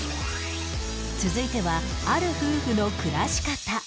続いてはある夫婦の暮らし方